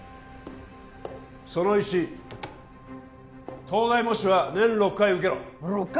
その１東大模試は年６回受けろ６回！？